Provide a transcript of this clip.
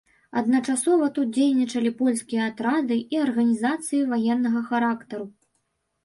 Адначасова тут дзейнічалі польскія атрады і арганізацыі ваеннага характару.